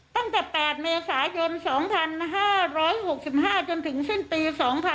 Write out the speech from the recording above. ตั้งแต่๘เมษายน๒๕๖๕จนถึงสิ้นปี๒๕๖๒